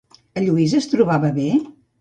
En Lluís es trobava bé?